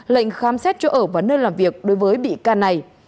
lệnh khám xét chỗ ở và nơi làm việc đối với bị can này